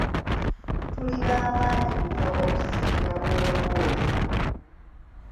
Tuli bamaanyi nnyo okusinga bw'olowooza.